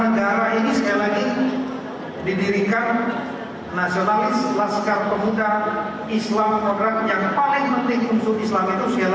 negara ini sekali lagi didirikan nasionalis laskar pemuda islam program yang paling penting unsur islam itu